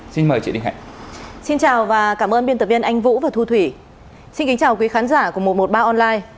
xin chào quý khán giả của một trăm một mươi ba online